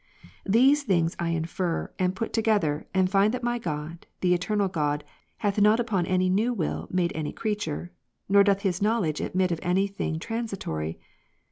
These things I infer, and put together, and find that my God, the eternal God, hath not upon any new will made any creature, nor doth His knowledge admit of any thing transitory.